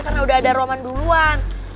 karena udah ada roman duluan